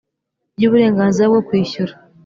Ry uburenganzira bwo kwishyura